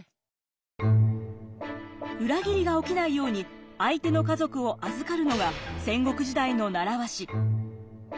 裏切りが起きないように相手の家族を預かるのが戦国時代の習わし。